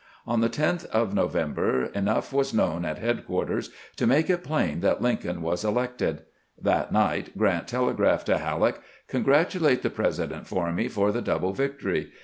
On the 10th of November enough was known at headquarters to make it plain that Lincoln was elected. That night Grant telegraphed to Halleck: "... Con gratulate the President for me for the double victory.